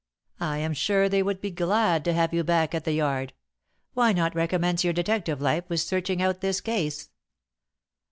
I am sure they would be glad to have you back at the Yard. Why not recommence your detective life with searching out this case?"